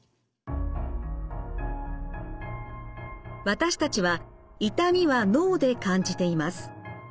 私たちは痛みは脳で感じています。